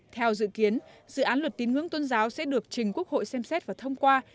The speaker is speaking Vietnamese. theo dự kiến dự án luật tín ngưỡng tôn giáo sẽ được trình quốc hội xem xét và thông qua